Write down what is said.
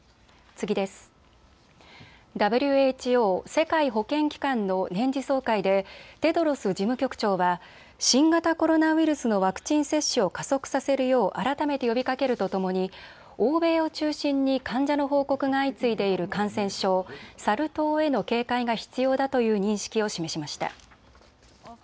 ＷＨＯ・世界保健機関の年次総会でテドロス事務局長は新型コロナウイルスのワクチン接種を加速させるよう改めて呼びかけるとともに欧米を中心に患者の報告が相次いでいる感染症、サル痘への警戒が必要だという認識を示しました。